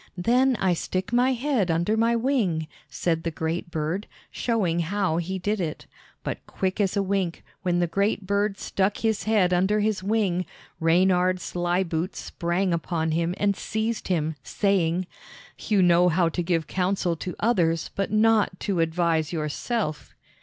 "Then I stick my head under my wing," said the great bird, showing how he did it. But quick as a wink, when the great bird stuck his head under his wing, Reynard Sly Boots sprang upon him and seized him, saying: "You know how to give counsel to others, but not to advise yourself."